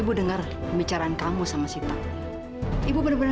ibu dengar pembicaraan kamu sama sita ibu bener bener